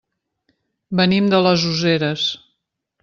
Venim de les Useres.